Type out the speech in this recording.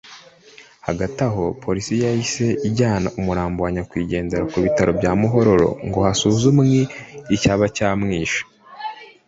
Hagati aho Polisi yahise ijyana umurambo wa nyakwigendera ku bitaro bya Muhororo ngo hasuzumwe icyaba cyamwishe